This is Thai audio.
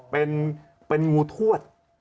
เป็นเป็นงูถวด